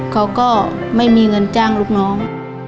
เขาก็ไม่มีเงินจ้างลูกน้อง